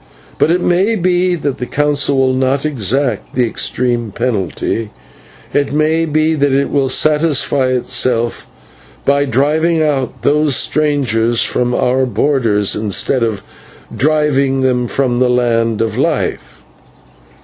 But it may be that the Council will not exact the extreme penalty. It may be that it will satisfy itself with driving these strangers from our borders instead of driving them from the land of life."